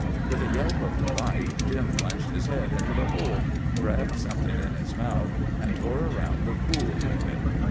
With a yelp of delight Jim plunged his head into the hole, grabbed something in his mouth, and tore around the pool with it.